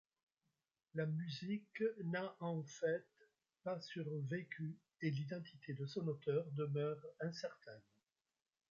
La musique n'a en fait pas survécu et l'identité de son auteur demeure incertaine.